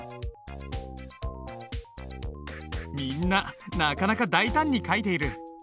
みんななかなか大胆に書いている。